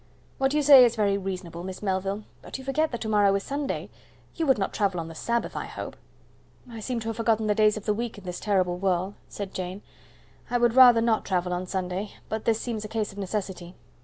"What you say is very reasonable, Miss Melville, but you forget that to morrow is Sunday. You would not travel on the Sabbath, I hope?" "I seem to have forgotten the days of the week in this terrible whirl," said Jane. "I would rather not travel on Sunday, but this seems a case of necessity."